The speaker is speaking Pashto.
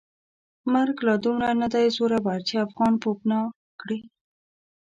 مرګ لا دومره ندی زورور چې افغان پوپناه کړي.